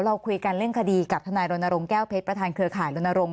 เราคุยกันเรื่องคดีกับทนายรณรงค์แก้วเพชรประธานเครือข่ายรณรงค